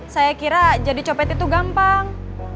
saya kira jadi copet itu gampang